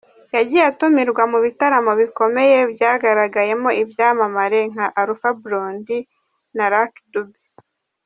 Yagiye atumirwa mu bitaramo bikomeye byagaragayemo ibyamamare nka Alpha Blondy na Lucky Dube.